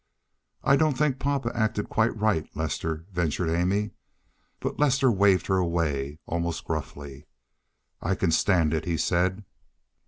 "I don't think papa acted quite right, Lester," ventured Amy, but Lester waved her away almost gruffly. "I can stand it," he said.